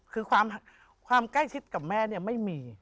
คือความใกล้ชิดกับแม่เนี่ยไม่มี